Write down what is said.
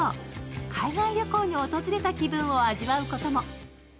海外旅行に訪れた気分を味わうことも。